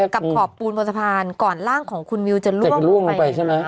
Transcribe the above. ขอบปูนบนสะพานก่อนร่างของคุณวิวจะล่วงลงไปใช่ไหมฮะ